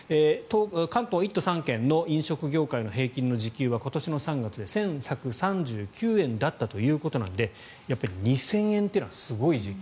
関東１都３県の飲食業界の平均の時給は今年の３月で１１３９円だったということなので２０００円というのはすごい時給。